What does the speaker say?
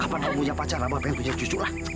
kapan abah punya pacar abah pengen punya cucu lah